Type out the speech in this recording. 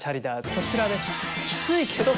こちらです。